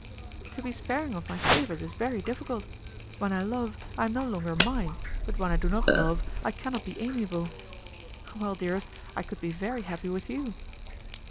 "To be sparing of my favours is very difficult; when I love, I am no longer mine, but when I do not love, I cannot be amiable. Well, dearest, I could be very happy with you."